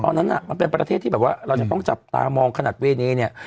ตอนนั้นน่ะมันเป็นประเทศที่แบบว่าเราจะต้องจับตามองขนาดเวเนเนี่ย